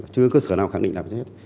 chưa cơ sở nào khẳng định là chết